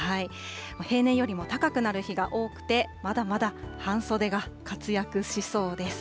平年よりも高くなる日が多くて、まだまだ半袖が活躍しそうです。